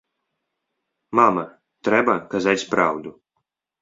Мама, трэба казаць праўду.